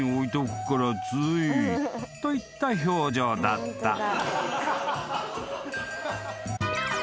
［といった表情だった］